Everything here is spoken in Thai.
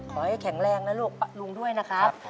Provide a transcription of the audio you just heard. ขอให้แข็งแรงนะลูกลุงด้วยนะครับ